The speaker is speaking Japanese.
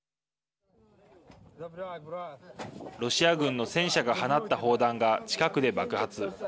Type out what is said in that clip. ロシア軍の戦車が放った砲弾が近くで爆発。